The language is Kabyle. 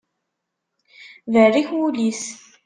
Berrik wul-is.